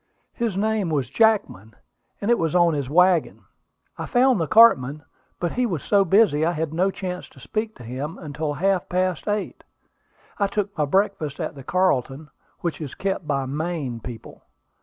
His name was Jackman, and it was on his wagon. I found the cartman, but he was so busy I had no chance to speak to him until half past eight. I took my breakfast at the Carlton, which is kept by Maine people.